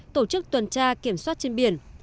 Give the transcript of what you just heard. tổ chức tuần tra kiểm soát trên biển